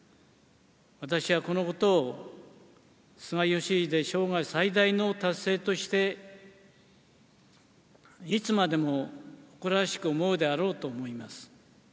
私はこのことを、菅義偉生涯最大の達成として、いつまでも誇らしく思うであろうと思います。